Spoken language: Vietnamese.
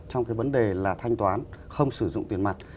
trong cái vấn đề là thanh toán không sử dụng tiền mặt